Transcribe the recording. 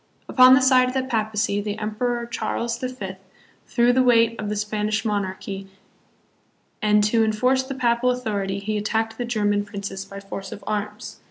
Upon the side of the Papacy, the Emperor Charles the Fifth threw the weight of the Spanish monarchy, and to enforce the Papal authority he attacked the German princes by force of arms.